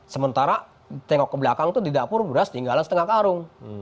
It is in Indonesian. sementara tengok ke belakang itu di dapur beras tinggalan setengah karung